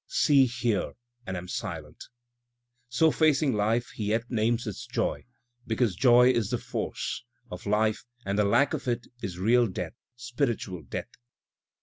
See, hear, and am silent. So facing life he yet names it joy, because joy is the force of life and the lack of it is real death, spiritual death.